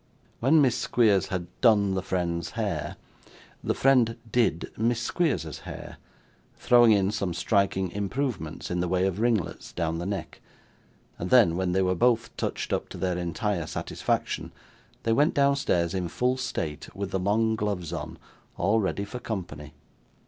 When Miss Squeers had 'done' the friend's hair, the friend 'did' Miss Squeers's hair, throwing in some striking improvements in the way of ringlets down the neck; and then, when they were both touched up to their entire satisfaction, they went downstairs in full state with the long gloves on, all ready for company.